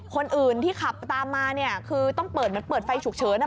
คนอื่นที่ขับตามมาเนี่ยคือต้องเปิดเหมือนเปิดไฟฉุกเฉินอ่ะ